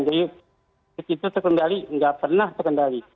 jadi itu terkendali tidak pernah terkendali